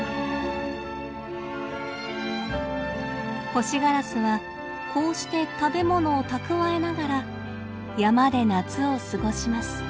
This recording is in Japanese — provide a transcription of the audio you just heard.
ホシガラスはこうして食べ物を蓄えながら山で夏を過ごします。